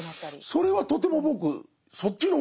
それはとても僕そっちの方がいい形。